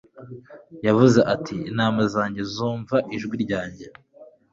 Yaravuze ati : «intama zajye zumva ijwi ryanjye ...